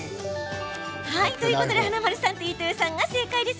ということで華丸さんと飯豊さんが正解です。